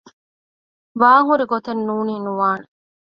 ވާންހުރި ގޮތެއް ނޫނީ ނުވާނެ